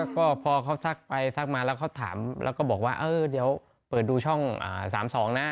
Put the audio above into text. ก็พอเขาซักไปซักมาแล้วเขาถามแล้วก็บอกว่าเออเดี๋ยวเปิดดูช่อง๓๒นะ